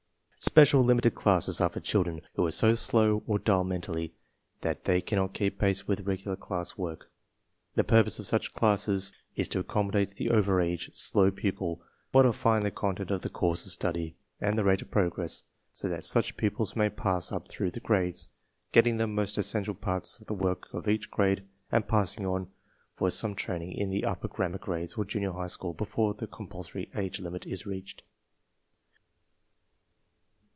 Special Limited Classes jtre for children who are so slow or dull mentally that they cannot keep pace with regular class work.^ The purpose of such classes is to accommodate the over age, slow pupil, modifying the content of the course of study and the rate of progress so that such pupils may pass up through the grades, getting the most essential parts of the work of each grade and passing on for some training in the upper grammar grades or junior high school before the com pulsory age limit is reached.